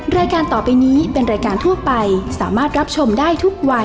รายการต่อไปนี้เป็นรายการทั่วไปสามารถรับชมได้ทุกวัย